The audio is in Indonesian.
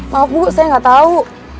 maaf bu saya gak tau